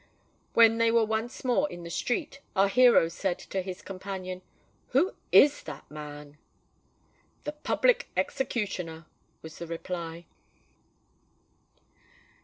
When they were once more in the street, our hero said to his companion, "Who is that man?" "The PUBLIC EXECUTIONER," was the reply.